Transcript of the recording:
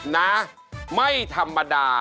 นะไม่ธรรมดา